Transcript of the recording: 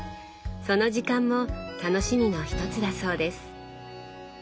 その時間も楽しみの一つだそうです。